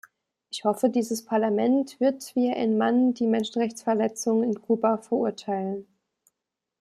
Ich hoffe, dieses Parlament wird wie ein Mann die Menschenrechtsverletzungen in Kuba verurteilen.